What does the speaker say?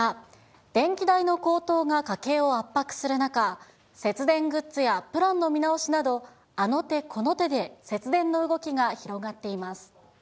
電気代の高騰が家計を圧迫する中、節電グッズやプランの見直しなど、あの手この手で節電の動きが広がっています。